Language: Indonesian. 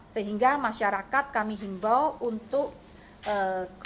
sehingga masyarakat kami himbau untuk segera kembali ke lapangan